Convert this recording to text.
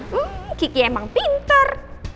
hmm kiki emang pintar